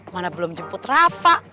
mana belum jemput rafa